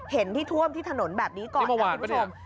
เห็นที่ท่วมที่ถนนแบบนี้ก่อนคุณผู้ชม